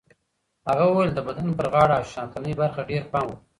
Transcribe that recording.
هغه وویل د بدن پر غاړه او شاتنۍ برخه ډېر پام وکړئ.